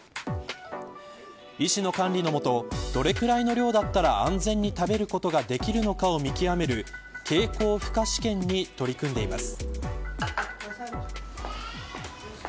医師の管理の下どれぐらいの量だったら安全に食べることができるのかを見極める経口負荷試験に取り組んでいます。